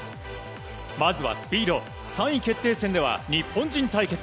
まずはスピード、３位決定戦では日本人対決。